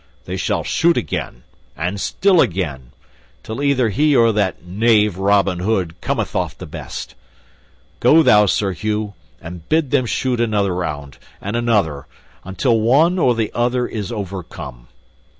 They shall shoot again, and still again, till either he or that knave Robin Hood cometh off the best. Go thou, Sir Hugh, and bid them shoot another round, and another, until one or the other is overcome."